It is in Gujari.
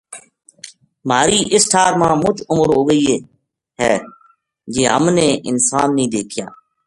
مہاری اس ٹھار ما مچ عمر ہو گئی ہے جی ہم نے انسان نیہہ دیکھیا